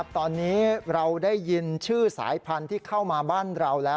ตอนนี้เราได้ยินชื่อสายพันธุ์ที่เข้ามาบ้านเราแล้ว